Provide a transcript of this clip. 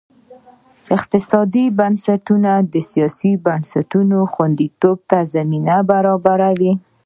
اقتصادي بنسټونو د سیاسي بنسټونو خوندیتوب ته زمینه برابره کړه.